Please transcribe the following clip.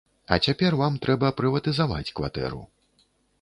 А цяпер вам трэба прыватызаваць кватэру.